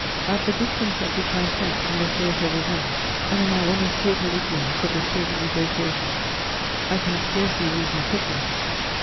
"At the distance at which I am placed from the theatre of events, and in my almost total ignorance of the state of negociations, I can scarcely reason fitly.